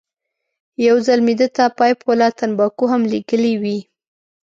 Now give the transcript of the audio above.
یو ځل مې ده ته پایپ والا تنباکو هم لېږلې وې.